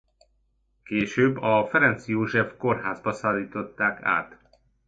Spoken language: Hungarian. Később a Ferenc József kórházba szállították át.